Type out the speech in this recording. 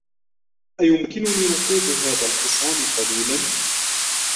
أيمكنني ركوب هذا الحصان قليلاً ؟